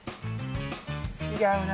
違うな。